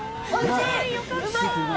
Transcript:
よかった。